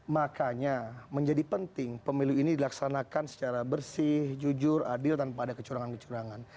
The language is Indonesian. makanya menjadi penting pemilu ini dilaksanakan secara bersih jujur adil tanpa ada kecurangan kecurangan